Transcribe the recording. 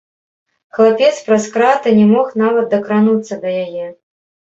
Хлапец праз краты не мог нават дакрануцца да яе.